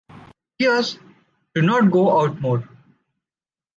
Yours do not go out more.